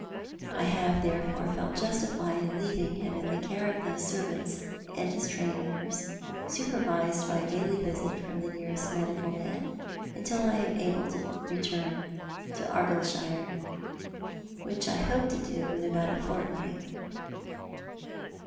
I have therefore felt justified in leaving him in the care of these servants and his trained nurse, supervised by a daily visit from the nearest medical man, until I am able to return to Argyllshire, which I hope to do in about a fortnight.